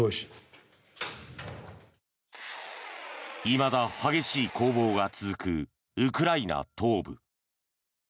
いまだ激しい攻防が続くウクライナ東部。